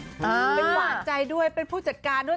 เป็นหวานใจด้วยเป็นผู้จัดการด้วย